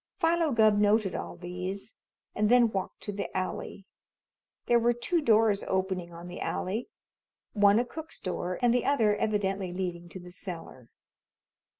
Philo Gubb noted all these, and then walked to the alley. There were two doors opening on the alley one a cook's door, and the other evidently leading to the cellar.